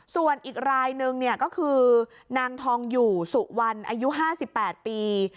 ส่วนอีกรายนึงก็คือนางทองอยู่สุวรรณอายุ๕๘ปี